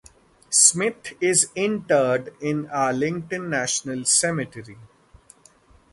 Smith is interred in Arlington National Cemetery.